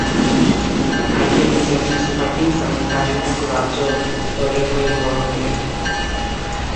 আইপিএলে Chennai Super Kings এবং তামিলনাড়ু রাজ্য দলের হয়ে ঘরোয়া ক্রিকেট খেলেন।